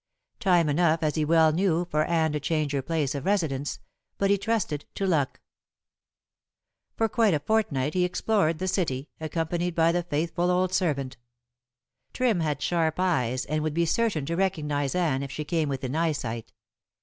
Time enough, as he well knew, for Anne to change her place of residence. But he trusted to luck. For quite a fortnight he explored the city, accompanied by the faithful old servant. Trim had sharp eyes, and would be certain to recognize Anne if she came within eyesight.